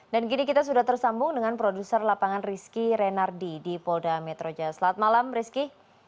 dan gini kita sudah tersambung dengan produser lapangan rizky renardi di polda metro jaya selamat malam rizky